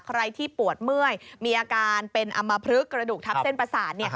ใครที่ปวดเมื่อยมีอาการเป็นอำมพลึกกระดูกทับเส้นประสาท